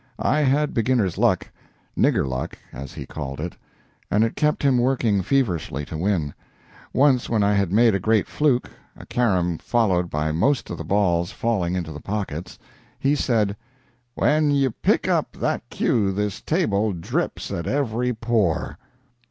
I had beginner's luck "nigger luck," as he called it and it kept him working feverishly to win. Once when I had made a great fluke a carom followed by most of the balls falling into the pockets, he said: "When you pick up that cue this table drips at every pore."